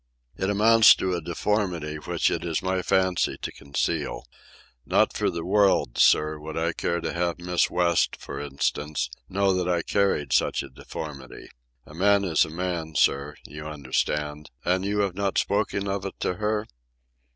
It amounts to a deformity, which it is my fancy to conceal. Not for worlds, sir, would I care to have Miss West, for instance, know that I carried such a deformity. A man is a man, sir—you understand—and you have not spoken of it to her?"